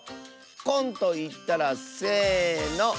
「こん」といったらせの。